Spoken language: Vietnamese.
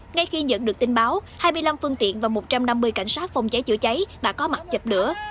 ngay khi nhận được tin báo hai mươi năm phương tiện và một trăm năm mươi cảnh sát phòng cháy chữa cháy đã có mặt dập lửa